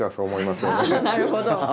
なるほど。